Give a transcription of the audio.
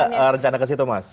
ada rencana ke situ mas